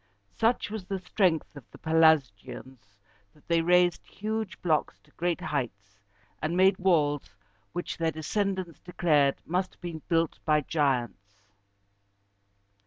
Such was the strength of the Pelasgians, that they raised huge blocks to great heights, and made walls which their descendants declared must have been built by giants.